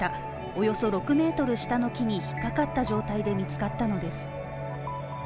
およそ６ｍ下の木に引っかかった状態で見つかったのです。